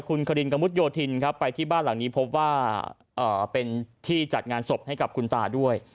คุณครินกระมุดโยธินครับไปที่บ้านหลังนี้พบว่าเป็นที่จัดงานศพให้กับคุณตาด้วย